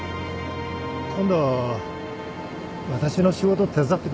今度私の仕事手伝ってくれないか？